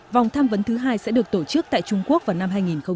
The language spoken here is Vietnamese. vòng tham vấn thứ hai sẽ được tổ chức tại trung quốc vào năm hai nghìn một mươi bảy